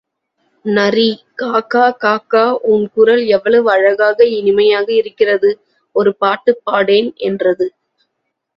நரி— காக்கா காக்கா—உன் குரல் எவ்வளவு அழகாக—இனிமையாக இருக்கிறது, ஒரு பாட்டுப் பாடேன் என்றது.